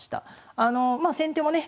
まあ先手もね